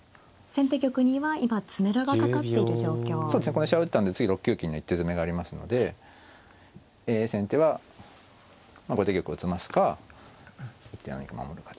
この飛車を打ったんで次６九金の一手詰めがありますので先手は後手玉を詰ますか一手何か守るか。